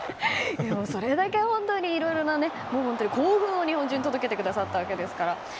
それだけ本当にいろいろ興奮を日本中に届けてくださったわけですから。